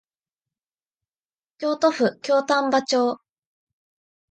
京都府京丹波町